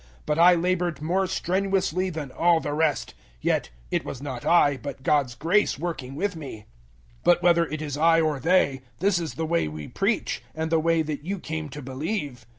But I labored more strenuously than all the rest yet it was not I, but God's grace working with me. 015:011 But whether it is I or they, this is the way we preach and the way that you came to believe.